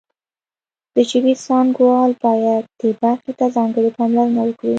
د ژبې څانګوال باید دې برخې ته ځانګړې پاملرنه وکړي